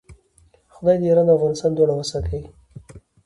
خدای دې ایران او افغانستان دواړه وساتي.